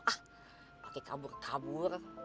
ah pakai kabur kabur